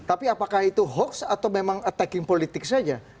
tapi apakah itu hoax atau memang attacking politik saja